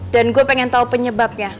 dan gue pengen tau penyebabnya